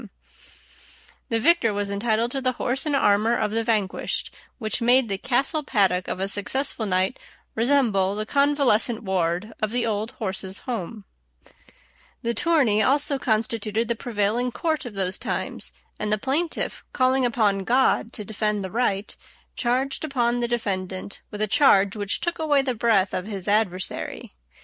[Illustration: A JUDICIAL COMBAT.] The victor was entitled to the horse and armor of the vanquished, which made the castle paddock of a successful knight resemble the convalescent ward of the Old Horses' Home. This tourney also constituted the prevailing court of those times, and the plaintiff, calling upon God to defend the right, charged upon the defendant with a charge which took away the breath of his adversary.